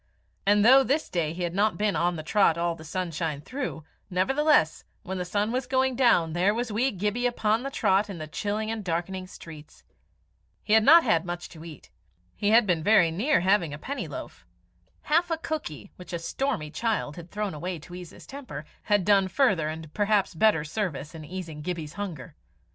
And though this day he had been on the trot all the sunshine through, nevertheless, when the sun was going down there was wee Gibbie upon the trot in the chilling and darkening streets. He had not had much to eat. He had been very near having a penny loaf. Half a cookie, which a stormy child had thrown away to ease his temper, had done further and perhaps better service in easing Gibbie's hunger.